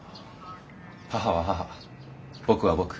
母は母僕は僕。